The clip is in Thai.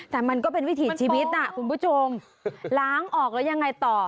แต่มันก็เป็นวิถีชีวิตน่ะคุณผู้ชมล้างออกแล้วยังไงต่อ